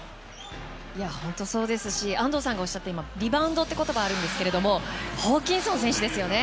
本当にそうですし安藤さんがおっしゃったリバウンドという言葉があるんですがホーキンソン選手ですよね。